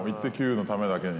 のためだけに。